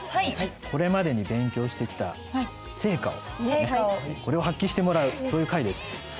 これまでに勉強してきた成果をこれを発揮してもらうそういう回です。